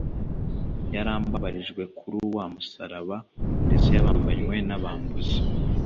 Yarambabarijwe kuru wa musaraba ndetse yambanywe n’abambuzi